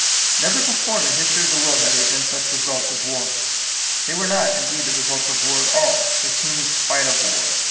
Never before in the history of the world had there been such results of war. They were not, indeed, the results of war at all. They came in spite of war.